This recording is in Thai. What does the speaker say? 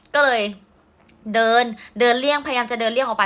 ก็เลยเดินเรื่องพยายามจะเดินเรื่องออกไป